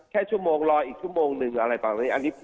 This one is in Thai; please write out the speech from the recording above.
แค่ชั่วโมงรออีกชั่วโมงนึงอะไรตอนนี้